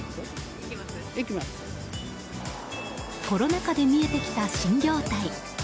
コロナ禍で見えてきた新業態。